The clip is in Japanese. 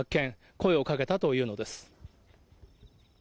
声をかけたというのです。